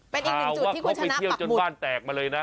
เป็นอีกหนึ่งจุดที่คุณชนะปักหมุน